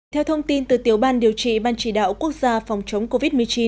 theo thông tin từ tiểu ban điều trị ban chỉ đạo quốc gia phòng chống covid một mươi chín